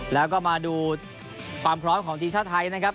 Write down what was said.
แล้วก็มาดูความพร้อมของทีมชาติไทยนะครับ